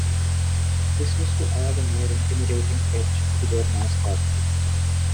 This was to add a more intimidating edge to their mascot.